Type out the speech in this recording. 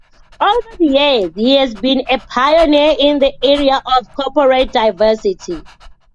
Over the years, he has been a pioneer in the area of corporate diversity.